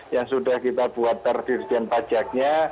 yang sudah kita buat terdirian pajaknya